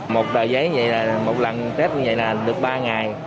một đòi giấy như vậy là một lần test như vậy là được ba ngày